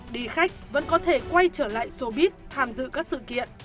đi khách vẫn có thể quay trở lại showbiz tham dự các sự kiện